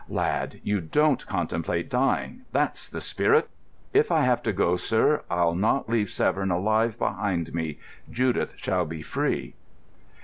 "Lad, you don't contemplate dying! That's the spirit." "If I have to go, sir, I'll not leave Severn alive behind me. Judith shall be free."